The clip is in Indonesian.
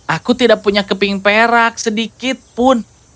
aku tidak punya keping perak sedikit pun